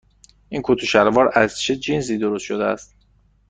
این کت و شلوار از چه جنسی درست شده است؟